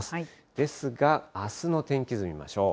ですが、あすの天気図見ましょう。